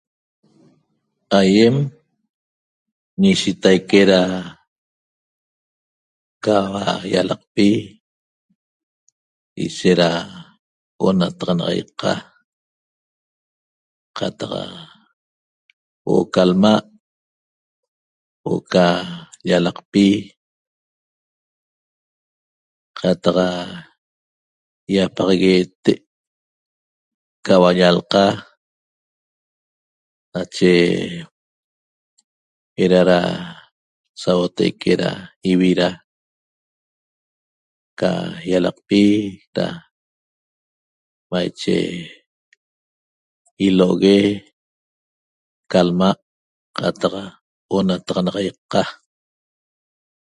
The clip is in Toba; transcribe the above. Aiem ñishitaique ra caiua ialaqpi ishet ra onataxanaxaiqa qataq huo'o ca lma' huo'o ca llalaqpi qataq iapaxaguete' caua llalqa nache era ra sauotaique ra ivira ca ialaqpi ra maiche ilo'ogue ca lma' qataq onataxanaxaiqa